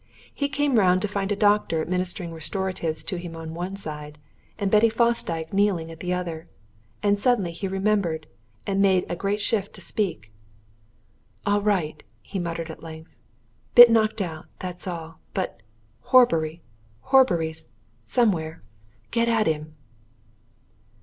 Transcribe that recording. He came round to find a doctor administering restoratives to him on one side, and Betty Fosdyke kneeling at the other. And suddenly he remembered, and made a great shift to speak. "All right!" he muttered at length. "Bit knocked out, that's all! But Horbury! Horbury's somewhere! Get at him!"